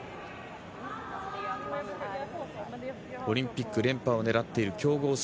オリンピック連覇を狙っている強豪